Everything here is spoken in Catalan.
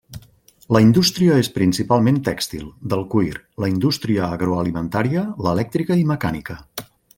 La indústria és principalment tèxtil, del cuir, la indústria agroalimentària, l'elèctrica i mecànica.